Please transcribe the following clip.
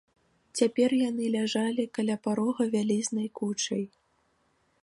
Цяпер яны ляжалі каля парога вялізнай кучай.